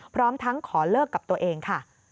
พร้อมทั้งขอเลิกกับตัวเองค่ะ